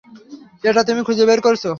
এটা তুমি খুঁজে বের করেছো।